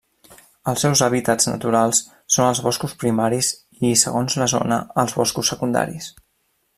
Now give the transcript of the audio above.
Els seus hàbitats naturals són els boscos primaris i, segons la zona, els boscos secundaris.